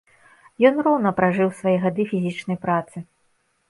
Ён роўна пражыў свае гады фізічнай працы.